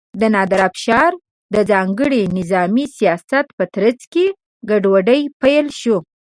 د نادر افشار د ځانګړي نظامي سیاست په ترڅ کې ګډوډي پیل شوه.